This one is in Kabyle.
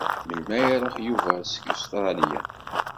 Melmi ara iṛuḥ Yuba seg Ustṛalya?